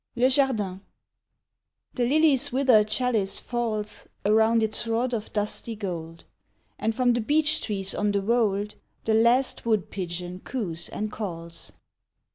LE JARDIN THE lily's withered chalice falls Around its rod of dusty gold, And from the beech trees on the wold The last wood pigeon coos and calls.